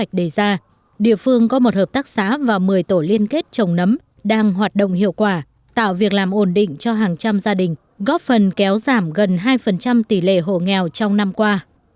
địa phương có một hợp tác xã và một mươi tổ liên kết trồng nấm đang hoạt động hiệu quả tạo việc làm ổn định cho hàng trăm gia đình góp phần kéo giảm gần hai tỷ lệ hộ nghèo trong năm qua